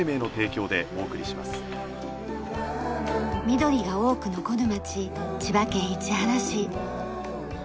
緑が多く残る町千葉県市原市。